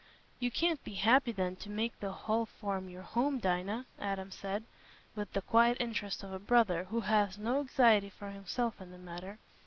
"You can't be happy, then, to make the Hall Farm your home, Dinah?" Adam said, with the quiet interest of a brother, who has no anxiety for himself in the matter.